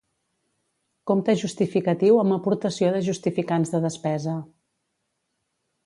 Compte justificatiu amb aportació de justificants de despesa.